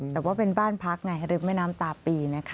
แต่ว่าเป็นบ้านพักไงริมแม่น้ำตาปีนะคะ